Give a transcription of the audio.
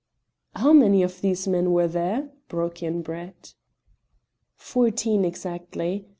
"How many of these men were there?" broke in Brett. "Fourteen exactly.